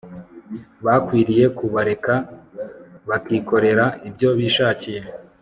bakwiriye kubareka bakikorera ibyo bishakiye